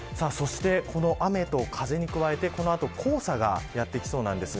この雨と風に加えてこの後黄砂がやってきそうです。